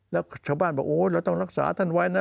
แล้วชาวบ้านบอกโอ้ยเราต้องรักษาท่านไว้นะ